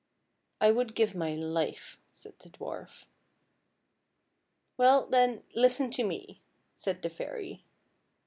"" I would give my life," said the dwarf. " Well, then, listen to me," said the fairy.